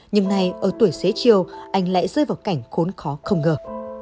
nhưng nay ở tuổi xế chiều anh lại rơi vào cảnh khốn khó không ngờ